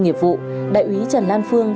nghiệp vụ đại úy trần lan phương